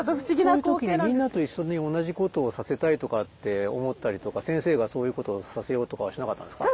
そういう時にみんなと一緒に同じことをさせたいとかって思ったりとか先生がそういうことをさせようとかはしなかったんですか？